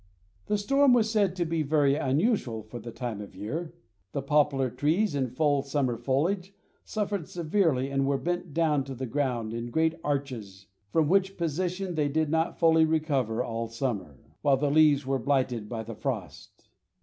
This storm was said to be very unusual for the time of year. The poplar trees in full summer foliage suffered severely and were bent down to the ground in great arches, from which position they did not fully recover all summer, while the leaves were blighted by the frost.